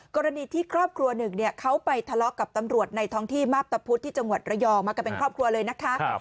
กรณีที่ครอบครัวหนึ่งเขาไปทะเลาะกับตำรวจในท้องที่มาพตะพุธที่จังหวัดระยองมากันเป็นครอบครัวเลยนะคะ